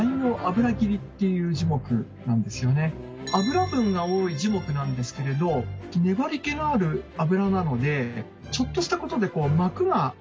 油分が多い樹木なんですけれど粘り気のある油なのでちょっとしたことで膜ができるんですね。